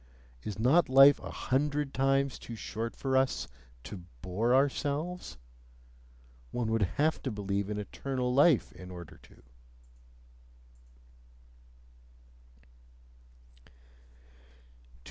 Is not life a hundred times too short for us to bore ourselves? One would have to believe in eternal life in order to...